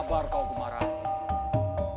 dia orang kesamanya lihat lo zit